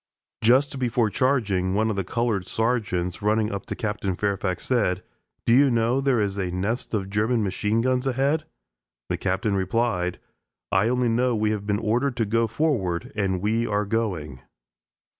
Just before charging, one of the colored sergeants, running up to Captain Fairfax, said: "Do you know there is a nest of German machine guns ahead?" The Captain replied: "I only know we have been ordered to go forward, and we are going."